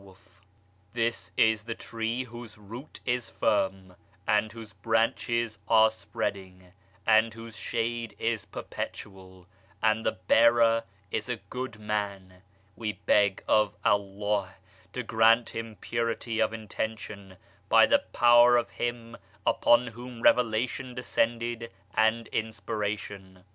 ] THIS is the tree whose root is firm, and whose branches are spreading, and whose shade is perpetual: and the bearer is a good man we beg of Allah to grant him purity of intention by the power of him upon whom Revelation descended and In spiration!